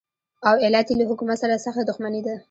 او علت یې له حکومت سره سخته دښمني ده.